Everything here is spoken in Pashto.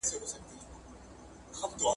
هغه سړي په پکه باندې سکروټې لګولې.